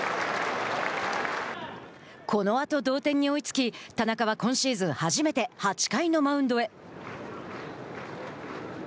このあと同点に追いつき田中は今シーズン初めて８回のマウンドへ。